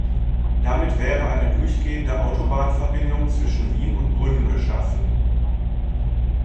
Damit wäre eine durchgehende Autobahnverbindung zwischen Wien und Brünn geschaffen.